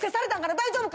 大丈夫か！？